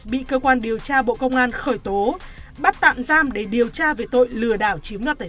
bị cơ quan điều tra bộ công an khởi tố bắt tạm giam để điều tra về tội lừa đảo chiếm đoạt tài sản